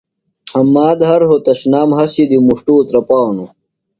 حامد ہر رھوتشنام ہسیۡ دی مُݜٹوۡ اُترپانوۡ۔